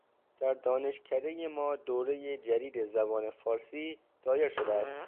در دانشکدهٔ ما دورهٔ جدید زبان فارسی دایر شده است.